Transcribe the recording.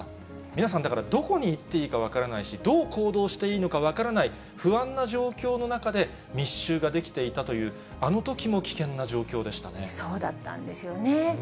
皆さん、だからどこに行っていいか分からないし、どう行動していいのか分からない、不安な状況の中で密集が出来ていたという、あのときも危険な状況そうだったんですよね。